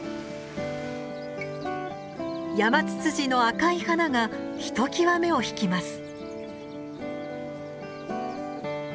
ヤマツツジの赤い花がひときわ目を引きます。